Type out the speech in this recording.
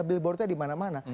billboardnya di mana mana